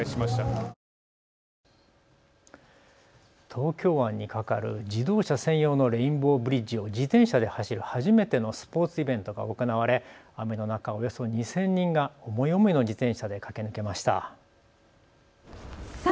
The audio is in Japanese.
東京湾に架かる自動車専用のレインボーブリッジを自転車で走る初めてのスポーツイベントが行われ雨の中、およそ２０００人が思い思いの自転車で駆け抜けました。